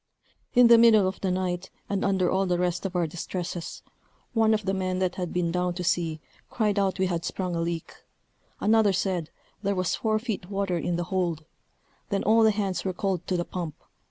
In the middle of the night, and under all the rest of our distresses, one of the men that had been down to see, cried out we had sprung a leak; another said, there was four feet water in the hold. Then all hands were called to the pump.